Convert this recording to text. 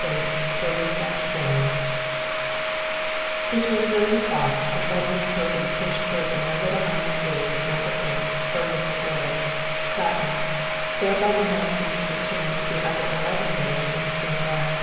8, BELITHA VILLAS It was nine o'clock when Edward Povey pushed open the little iron gate of No. 8, Belitha Villas, Clapham, thereby announcing his return to the other eleven villas in the same row.